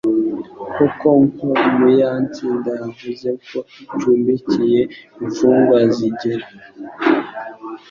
koko, nko mu ya Nsinda yavuze ko icumbikiye imfungwa zigera